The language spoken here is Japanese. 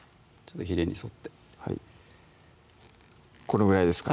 ひれに沿ってこのぐらいですか？